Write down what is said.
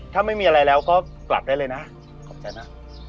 ถ้าไม่มีอะไรแล้วก็กลับได้เลยนะขอบใจนะ